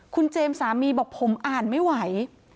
คุณเจมส์สามีบอกผมอ่านไม่ไหว